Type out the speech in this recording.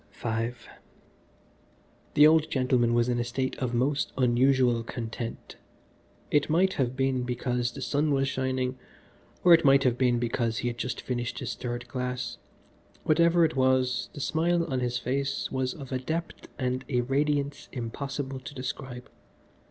V The old gentleman was in a state of most unusual content. It might have been because the sun was shining, or it might have been because he had just finished his third glass: whatever it was, the smile upon his face was of a depth and a radiance impossible to describe.